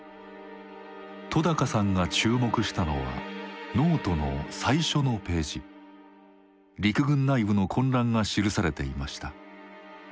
戸さんが注目したのはノートの最初のページ陸軍内部の混乱が記されていました。